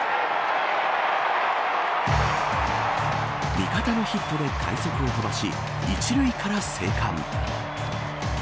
味方のヒットで快足を飛ばし、１塁から生還。